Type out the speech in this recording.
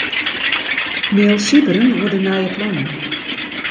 Mail Sybren oer de nije plannen.